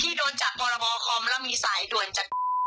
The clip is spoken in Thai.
พี่โดนจับฮคมและมีสายด่วนจัด